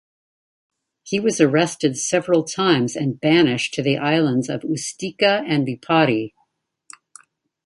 He was arrested several times and banished to the islands Ustica and Lipari.